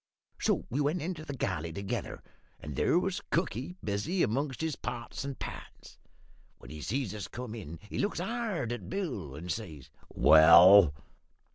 "So we went into the galley together, and there was cookie busy amongst his pots and pans. When he sees us come in, he looks hard at Bill, and he says "`Well?'